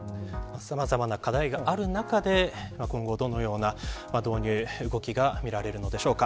さまざまな課題がある中で今後どのような導入動きが見られるのでしょうか。